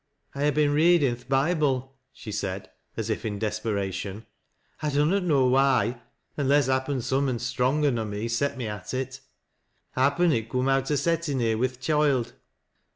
" I ha' been readin' th' Bible," she said, as if in des peration. " I dunnot know why, unless happen some un stronger nor me set me at it. Happen it coom out o' set tin here wi' th' choild.